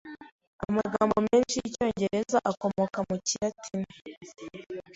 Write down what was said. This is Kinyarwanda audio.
Amagambo menshi yicyongereza akomoka mu kilatini.